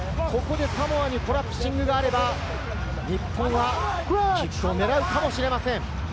サモアにコラプシングがあれば、日本はキックを狙うかもしれません。